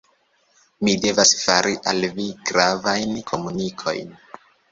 Mi devas fari al vi gravajn komunikojn.